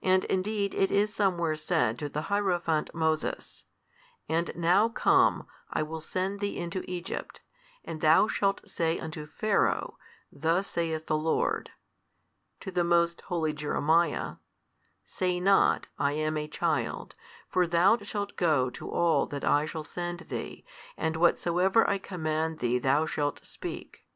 And indeed it is somewhere said to the hierophant Moses, And now come, I will send thee into Egypt, and thou shalt say unto Pharaoh, Thus saith the Lord: to the most holy Jeremiah, Say not, I am a child: for thou shalt go to all that I shall send thee, and whatsoever I command thee thou shalt speak.